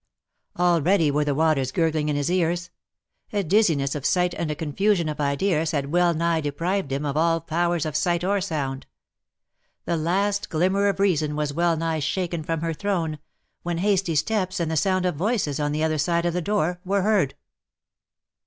Already were the waters gurgling in his ears; a dizziness of sight and a confusion of ideas had well nigh deprived him of all powers of sight or sound; the last glimmer of reason was well nigh shaken from her throne, when hasty steps and the sound of voices on the other side of the door were heard.